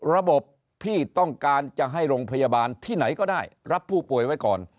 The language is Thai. ระบบที่ต้องการจะให้โรงพยาบาลที่ไหนก็ได้รับผู้ป่วยไว้ก่อน